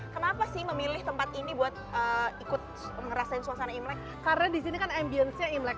kenapa sih memilih tempat ini buat ikut ngerasain suasana imlek karena disini kan ambience nya imlek